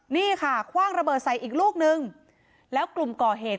นี่ค่ะคว่างระเบิดใส่อีกลูกนึงแล้วกลุ่มก่อเหตุ